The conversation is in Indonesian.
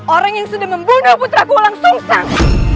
orang yang sudah membunuh putra ku langsung sang